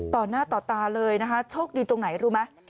ต่อหน้าต่อตาเลยนะคะโชคดีตรงไหนรู้ไหม